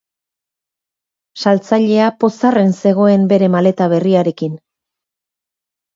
Saltzailea pozarren zegoen bere maleta berriarekin.